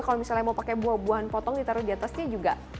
kalau misalnya mau pakai buah buahan potong ditaruh di atasnya juga